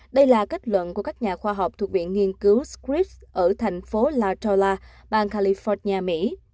đây là kết luận của các nhà khoa học thuộc biện nghiên cứu scripps ở thành phố la jolla bang california mỹ